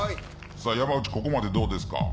山内、ここまでどうですか。